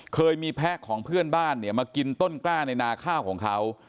เคยมีแพะของเพื่อนบ้านเนี่ยมากินต้นกล้าในนาข้าวของเขา